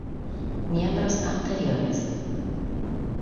Miembros Anteriores